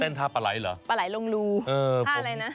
เต้นท่าปะไหล่เหรอปะไหล่ลงรูท่าอะไรนะ